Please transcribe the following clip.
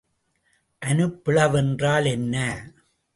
அனுப்பிளவு என்றால் என்ன?